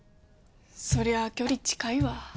そりゃ距離近いわ。